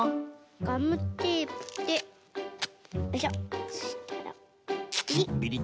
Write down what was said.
ガムテープでよいしょビリッ。